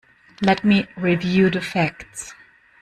Let me review the facts.